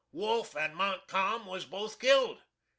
WOLFE and MONTCALM was both killed.